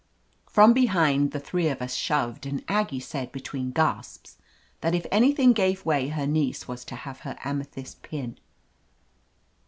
From behind, the three of us shoved, and Aggie said between gasps that if anything gave way her niece was to have her amethyst pin.